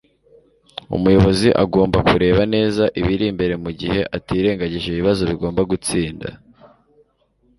umuyobozi agomba kureba neza ibiri imbere mugihe atirengagije ibibazo bigomba gutsinda